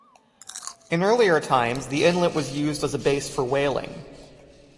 In earlier times, the inlet was used as a base for whaling.